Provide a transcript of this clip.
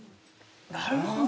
なるほど。